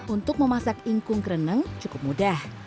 untuk memasak ingkung kereneng cukup mudah